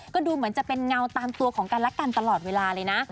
ก็ดูเหมือนจะเป็นเงาตามตัวของกันและกันตลอดเวลาเลยนะ